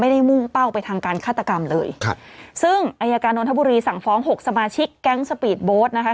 มุ่งเป้าไปทางการฆาตกรรมเลยครับซึ่งอายการนทบุรีสั่งฟ้องหกสมาชิกแก๊งสปีดโบ๊ทนะคะ